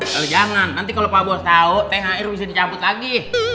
kalo jangan nanti kalo pak bos tau teh air bisa dicamput lagi